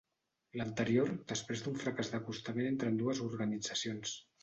L'anterior després d'un fracàs d'acostament entre ambdues organitzacions.